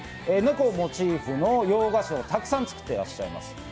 猫をモチーフの洋菓子をたくさん作っていらっしゃいます。